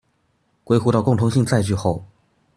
歸戶到共通性載具後